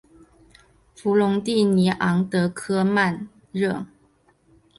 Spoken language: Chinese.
弗龙蒂尼昂德科曼热。